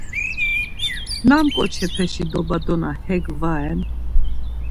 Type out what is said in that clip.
Nam ǩoçepeşi dobadona hek va ren?